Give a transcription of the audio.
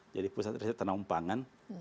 jadi pusat riset tanaman pangan